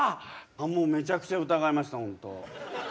もうめちゃくちゃ疑いましたホント。